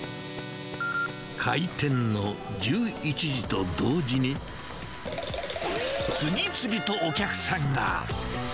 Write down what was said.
開店の１１時と同時に、次々とお客さんが。